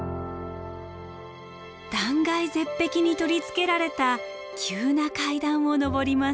断崖絶壁に取り付けられた急な階段を上ります。